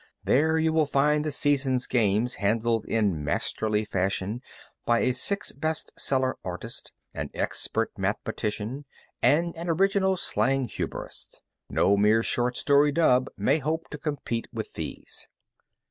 There you will find the season's games handled in masterly fashion by a six best seller artist, an expert mathematician, and an original slang humorist. No mere short story dub may hope to compete with these.